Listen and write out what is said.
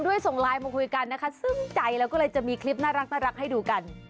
ส่งไลน์มาคุยกันนะคะซึ้งใจแล้วก็เลยจะมีคลิปน่ารักให้ดูกัน